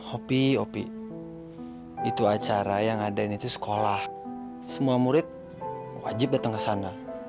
opi opi itu acara yang ada ini tuh sekolah semua murid wajib dateng kesana